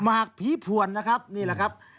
หากผีผ่วนนะครับนี่แหละครับ